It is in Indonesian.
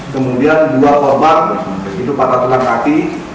kemudian dua korban itu patah tulang kaki